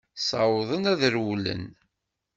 Ssawḍen ad rewlen.